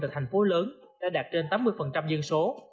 từ thành phố lớn đã đạt trên tám mươi dân số